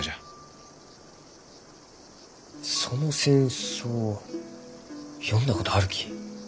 その戦争読んだことあるき。